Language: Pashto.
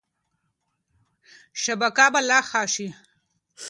شبکه به لا ښه شي.